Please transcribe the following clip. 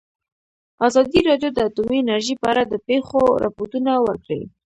ازادي راډیو د اټومي انرژي په اړه د پېښو رپوټونه ورکړي.